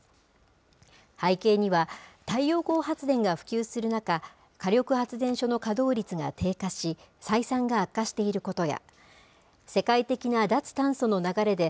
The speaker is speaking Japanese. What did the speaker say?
背景には、太陽光発電が普及する中、火力発電所の稼働率が低下し、採算が悪化していることや、世界的な脱炭素の流れで、